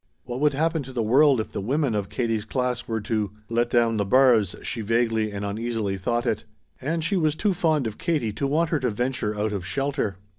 What would happen to the world if the women of Katie's class were to let down the bars, she vaguely and uneasily thought it. And she was too fond of Katie to want her to venture out of shelter.